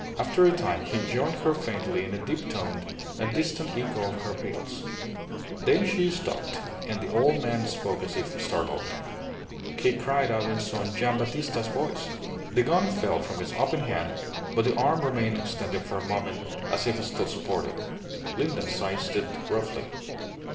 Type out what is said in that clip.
After a time he joined her faintly in a deep toned and distant echo of her peals. Then she stopped, and the old man spoke as if startled "He cried out in son Gian' Battista's voice." The gun fell from his opened hand, but the arm remained extended for a moment as if still supported. Linda seized it roughly.